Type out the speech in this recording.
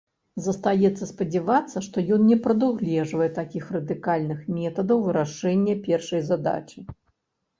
Застаецца спадзявацца, што ён не прадугледжвае такіх радыкальных метадаў вырашэння першай задачы.